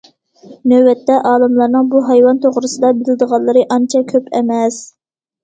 نۆۋەتتە ئالىملارنىڭ بۇ ھايۋان توغرىسىدا بىلىدىغانلىرى ئانچە كۆپ ئەمەس.